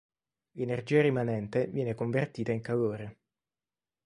L'energia rimanente viene convertita in calore.